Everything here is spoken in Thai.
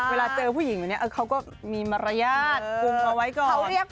เวลาเจอผู้หญิงแบบนี้เขาก็มีมารยาทวงเอาไว้ก่อน